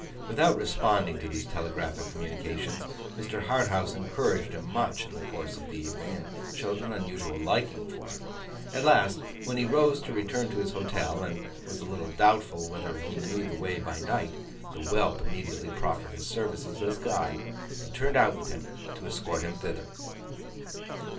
Without responding to these telegraphic communications, Mr. Harthouse encouraged him much in the course of the evening, and showed an unusual liking for him. At last, when he rose to return to his hotel, and was a little doubtful whether he knew the way by night, the whelp immediately proffered his services as guide, and turned out with him to escort him thither.